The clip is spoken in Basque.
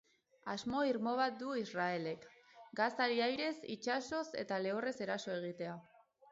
Asmo irmo bat du Israelek: Gazari airez, itsasoz eta lehorrez eraso egitea.